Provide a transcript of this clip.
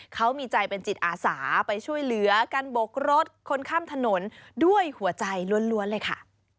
เขามีใจเป็นจิตอาสาไปช่วยเหลือการบกรถคนข้ามถนนด้วยหัวใจล้วนเลยค่ะ